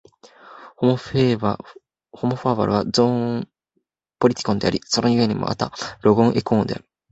ホモ・ファーベルはゾーン・ポリティコンであり、その故にまたロゴン・エコーンである。